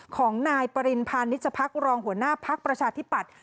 ของนายปริณพาณิชพักรองหัวหน้าพักประชาธิปัตย